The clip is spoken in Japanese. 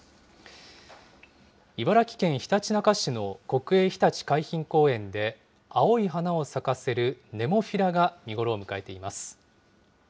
茨城県ひたちなか市の国営ひたち海浜公園で、青い花を咲かせるネモフィラが見頃を迎えています。